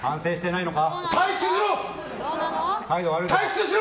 退出しろ！